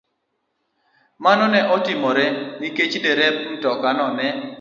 Mano ne otimore nikech derep mtokano ne